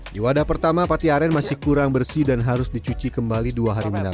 di wadah pertama pati aren masih kurang bersih dan harus dicuci kembali dua hari mendatang